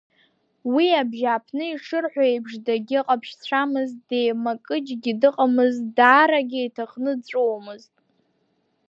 Уи, абжьааԥны ишырҳәо еиԥш, дагьҟаԥшьцәамызт, деимакыҷгьы дыҟамызт, дааракгьы иҭахны дҵәуомызт.